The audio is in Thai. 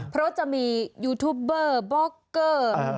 เพราะจะมียูทูปเบอร์บล็อกเกอร์